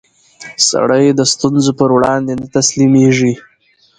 سړی د ستونزو پر وړاندې نه تسلیمېږي